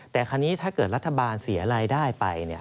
แต่คราวนี้ถ้าเกิดรัฐบาลเสียรายได้ไป